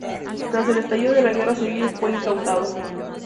Tras el estallido de la Guerra Civil fue incautado.